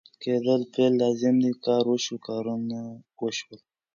کېدل فعل لازم دی کار وشو ، کارونه وشول